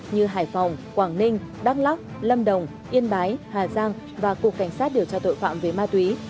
như hải phòng quảng ninh đắk lắc lâm đồng yên bái hà giang và cục cảnh sát điều tra tội phạm về ma túy